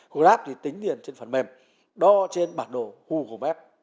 grab thì tính tiền trên phần mềm đo trên bản đồ google map